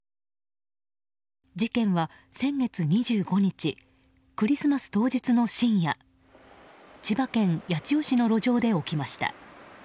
事件は先月２５日クリスマス当日の深夜千葉県八千代市の路上で起きました。